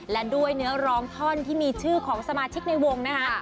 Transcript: และด้วยเนื้อร้องท่อนที่มีชื่อของสมาชิกในวงนะคะ